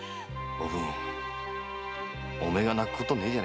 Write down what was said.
おぶんお前が泣くことねえじゃねえか。